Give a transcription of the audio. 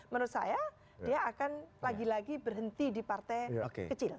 menurut saya dia akan lagi lagi berhenti di partai kecil